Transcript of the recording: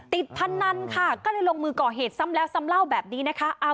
พนันค่ะก็เลยลงมือก่อเหตุซ้ำแล้วซ้ำเล่าแบบนี้นะคะ